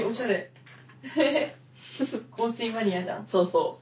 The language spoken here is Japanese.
そうそう。